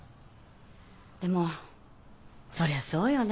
でもそりゃそうよね。